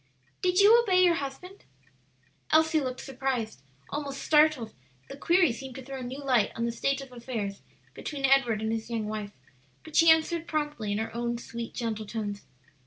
"Did you obey your husband?" Elsie looked surprise, almost startled; the query seemed to throw new light on the state of affairs between Edward and his young wife; but she answered promptly in her own sweet, gentle tones.